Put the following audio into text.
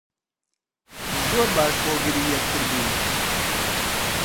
زۆر باش هۆگری یەکتر بووین